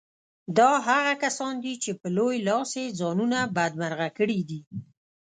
دا هغه کسان دي چې په لوی لاس يې ځانونه بدمرغه کړي دي.